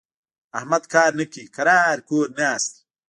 احمد کار نه کوي؛ کرار کور ناست دی.